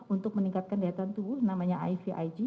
untuk meningkatkan daya tahan tubuh namanya ivig